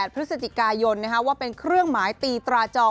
พฤศจิกายนว่าเป็นเครื่องหมายตีตราจอง